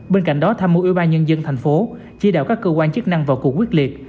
bên cạnh đó tham mưu ubnd tp hcm chia đạo các cơ quan chức năng vào cuộc quyết liệt